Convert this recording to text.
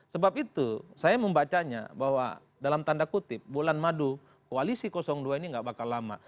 sebab itu saya membacanya bahwa dalam tanda kutip bulan madu koalisi dua ini gak bakal lama